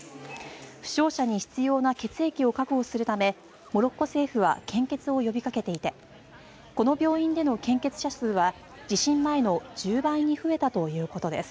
負傷者に必要な血液を確保するためモロッコ政府は献血を呼びかけていてこの病院での献血者数は地震前の１０倍に増えたということです。